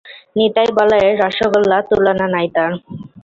নিতাই বলাইর রসোগোল্লা তুলনা নাই তার।